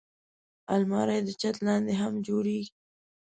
الماري د چت لاندې هم جوړېږي